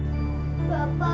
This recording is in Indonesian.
saya akan melihatnya